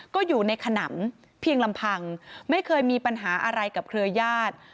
ก็อยู่ในขนำเพียงลำพังไม่เคยมีปัญหาอะไรกับเครือญาติ